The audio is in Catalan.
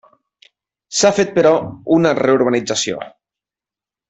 S’ha fet, però, una reurbanització.